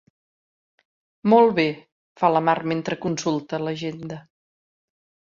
Molt bé —fa la Mar mentre consulta l'agenda—.